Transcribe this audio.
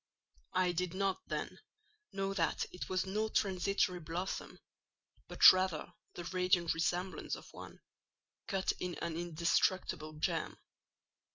I did not then know that it was no transitory blossom, but rather the radiant resemblance of one, cut in an indestructible gem.